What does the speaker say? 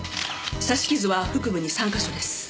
刺し傷は腹部に３か所です。